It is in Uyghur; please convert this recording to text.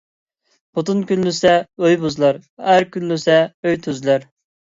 خوتۇن كۈنلىسە ئۆي بۇزۇلار، ئەر كۈنلىسە ئۆي تۈزۈلەر